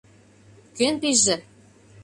— Кӧн пийже?